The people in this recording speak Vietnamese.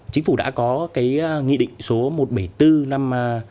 chính phủ đã có cái nghị định số một trăm bảy mươi bốn năm hai nghìn một mươi